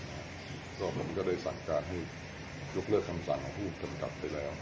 ก็ผมก็ได้สั่งการให้ยกเลิกคำสั่งของผู้กำกับไปแล้ว